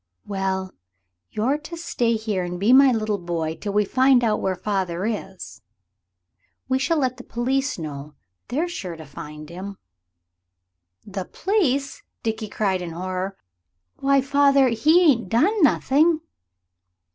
"Well, you're to stay here and be my little boy till we find out where father is. We shall let the police know. They're sure to find him." "The pleece!" Dickie cried in horror. "Why, father, 'e ain't done nothing."